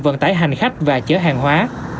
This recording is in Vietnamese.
vận tái hành khách và chở hàng hóa